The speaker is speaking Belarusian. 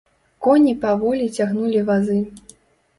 Коні паволі цягнулі вазы.